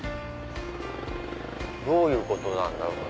どういうことなんだろうな？